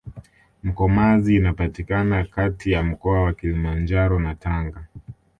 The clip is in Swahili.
mkomazi inapatikana Kati ya mkoa wa kilimanjaro na tanga